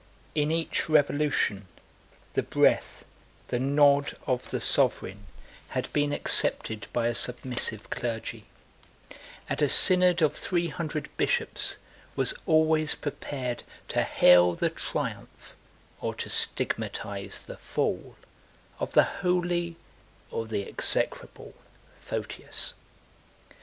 In each revolution, the breath, the nod, of the sovereign had been accepted by a submissive clergy; and a synod of three hundred bishops was always prepared to hail the triumph, or to stigmatize the fall, of the holy, or the execrable, Photius.